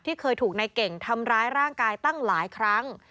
เคยถูกนายเก่งทำร้ายร่างกายตั้งหลายครั้ง